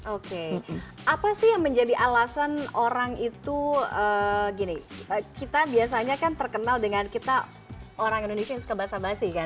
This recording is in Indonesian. oke apa sih yang menjadi alasan orang itu gini kita biasanya kan terkenal dengan kita orang indonesia yang suka basah basi kan